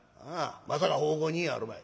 まさか奉公人やあるまい。